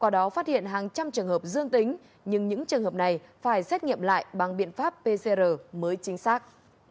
đó phát hiện hàng trăm trường hợp dương tính nhưng những trường hợp này phải xét nghiệm lại bằng biện pháp pcr mới chính xác